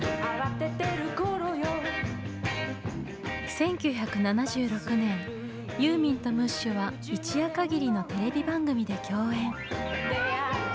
１９７６年ユーミンとムッシュは一夜かぎりのテレビ番組で共演。